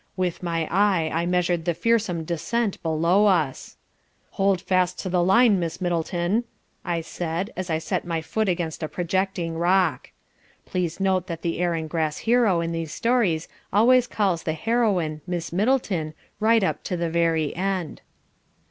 "With my eye I measured the fearsome descent below us. "'Hold fast to the line, Miss Middleton,' I said as I set my foot against a projecting rock. (Please note that the Air and Grass Hero in these stories always calls the Heroine Miss Middleton right up to the very end.)